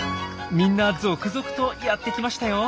みんな続々とやってきましたよ。